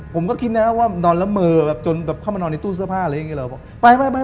ผมก็คิดแน่ว่านอนแล้วเมอจนเข้ามานอนในตู้เสื้อผ้าอะไรอย่างนี้แล้ว